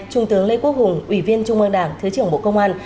trung tướng lê quốc hùng ủy viên trung ương đảng thứ trưởng bộ công an